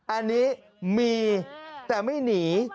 อันนี้มีแต่ไม่หนี